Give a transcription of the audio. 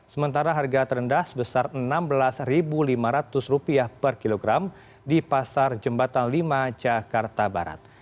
sementara harga terendah sebesar rp enam belas lima ratus per kilogram di pasar jembatan lima jakarta barat